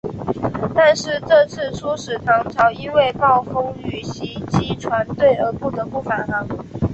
但是这次出使唐朝因为暴风雨袭击船队而不得不返航。